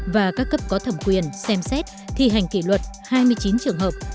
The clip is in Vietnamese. và các cấp có thẩm quyền xem xét thi hành kỷ luật hai mươi chín trường hợp